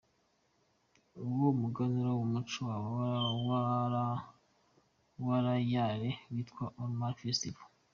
Uwo muganura mu muco waba Malayale witwa Onam Festival.